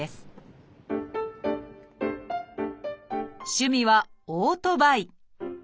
趣味はオートバイ。